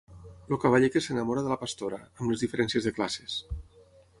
El cavaller que s’enamora de la pastora, amb les diferències de classes.